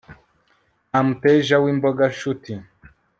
nta muteja w'imboga nshuti